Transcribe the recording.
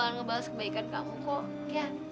aku mau ngebahas kebaikan kamu kok